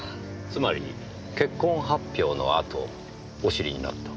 つまり結婚発表のあとお知りになった。